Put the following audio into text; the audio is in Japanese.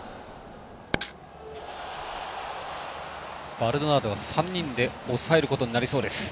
バルドナードは３人で抑えることになりました。